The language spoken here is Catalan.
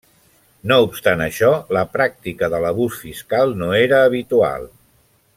No obstant això, la pràctica de l'abús fiscal no era habitual.